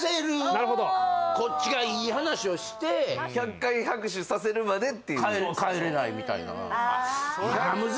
なるほどこっちがいい話をして１００回拍手させるまでっていう帰れないみたいなああムズ